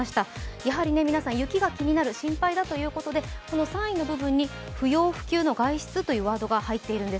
やはり皆さん、雪が気になる心配だということで、３位の部分に不要不急の外出というワードが入っているんです。